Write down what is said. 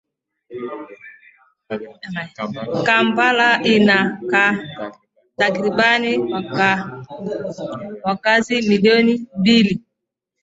Kampala ina takribani wakazi milioni mbili